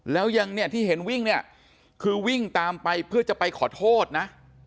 แล้วยังที่เห็นวิ่งคือวิ่งตามไปเพื่อจะไปขอโทษนะ